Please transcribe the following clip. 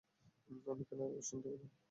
আমি কান্নার আওয়াজ শুনতে পেলাম।